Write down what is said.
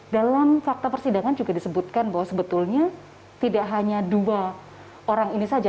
dalam fakta persidangan juga disebutkan bahwa sebetulnya tidak hanya dua orang ini saja